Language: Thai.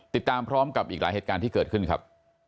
ติดตามพร้อมกับอีกหลายเหตุการณ์ที่เกิดขึ้นครับ